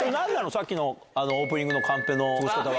さっきのオープニングのカンペ。